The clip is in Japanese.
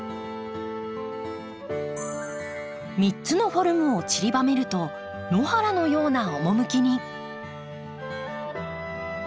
３つのフォルムをちりばめると野原のような趣に。